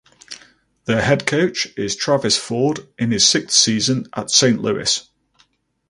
Their head coach is Travis Ford in his sixth season at Saint Louis.